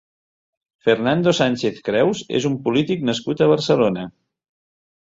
Fernando Sánchez Creus és un polític nascut a Barcelona.